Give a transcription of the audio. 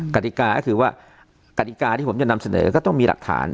กติกาก็คือว่ากฎิกาที่ผมจะนำเสนอก็ต้องมีหลักฐาน